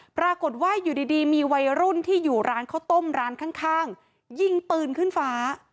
ปรากฏว่าอยู่ดีมีวัยรุ่นที่อยู่ร้านข้าวต้มร้านข้างยิงปืนขึ้นฟ้า